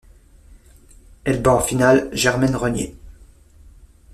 Elle bat en finale Germaine Regnier.